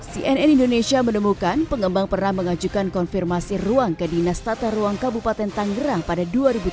cnn indonesia menemukan pengembang pernah mengajukan konfirmasi ruang ke dinas tata ruang kabupaten tanggerang pada dua ribu tujuh belas